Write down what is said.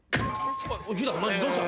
どうした？